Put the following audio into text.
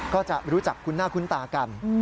ก็จะรู้จักคุ้นหน้าคุ้นตากัน